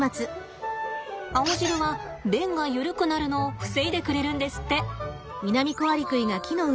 青汁は便がゆるくなるのを防いでくれるんですって。